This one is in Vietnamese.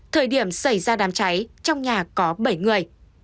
thời điểm xảy ra đám cháy trong nhà có bảy người